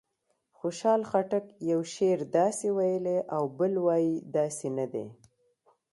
خوشحال خټک یو شعر داسې ویلی او بل وایي داسې نه دی.